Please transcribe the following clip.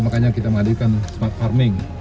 makanya kita menghadirkan smart farming